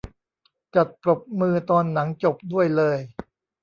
จัดปรบมือตอนหนังจบด้วยเลย